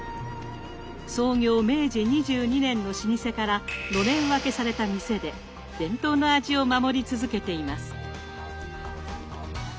創業明治２２年の老舗からのれん分けされた店で伝統の味を守り続けています。